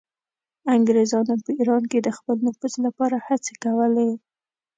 انګریزانو په ایران کې د خپل نفوذ لپاره هڅې کولې.